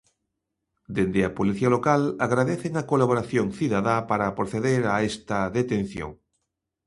Dende a Policía Local agradecen a colaboración cidadá para proceder a esta detención.